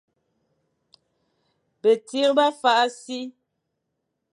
Betsir ba fakh si.